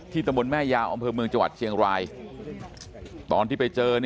ที่ตะบลแม่ยาวองค์เผิมเมืองจาวัดเฌียงรายตอนที่ไปเจอ